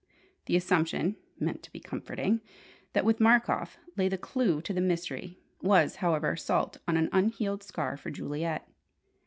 The assumption (meant to be comforting) that with Markoff lay the clue to the mystery, was, however, salt on an unhealed scar for Juliet.